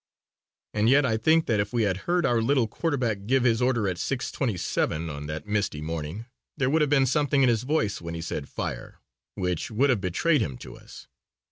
And yet I think that if we had heard our little quarterback give his order at six twenty seven on that misty morning there would have been something in his voice when he said "fire" which would have betrayed him to us.